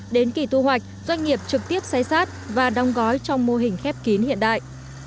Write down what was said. đến kỳ thu hoạch doanh nghiệp trực tiếp xây sát và đong gói trong mô hình khép kín hiện đại